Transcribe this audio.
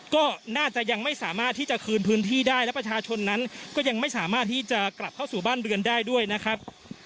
ก็น่าจะยังไม่สามารถที่จะคืนพื้นที่ได้และประชาชนนั้นก็ยังไม่สามารถที่จะกลับเข้าสู่บ้านเรือนได้ด้วยนะครับ